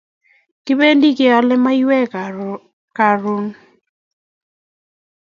Kipendi keyale maiyek karun